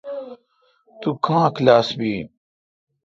توکاں کلاس می این۔